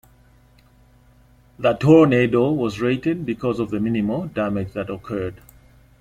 The tornado was rated because of the minimal damage that occurred.